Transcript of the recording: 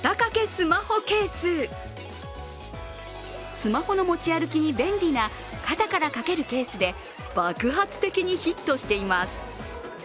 スマホの持ち歩きに便利な肩からかけるケースで爆発的にヒットしています。